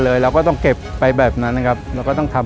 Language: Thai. และที่เราต้องใช้เวลาในการปฏิบัติหน้าที่ระยะเวลาหนึ่งนะครับ